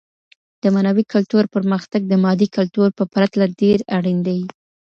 د معنوي کلتور پرمختګ د مادي کلتور په پرتله ډېر اړين دی.